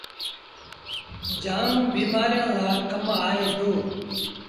جآم بيمآريآن لآ ڪم آئي دو۔